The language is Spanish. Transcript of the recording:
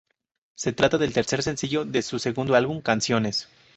Se trata del tercer sencillo de su segundo álbum, Canciones.